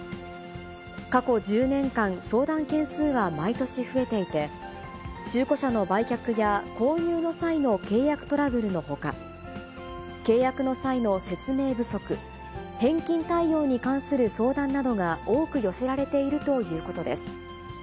過去１０年間、相談件数は毎年増えていて、中古車の売却や購入の際の契約トラブルのほか、契約の際の説明不足、返金対応に関する相談などが多く寄せられているということです。